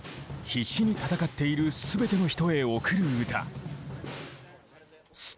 必死に戦っている全ての人へ贈る歌。